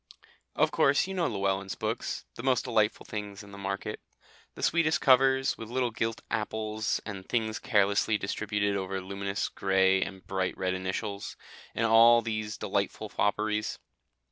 Of course you know Llewellyn's books the most delightful things in the market: the sweetest covers, with little gilt apples and things carelessly distributed over luminous grey, and bright red initials, and all these delightful fopperies.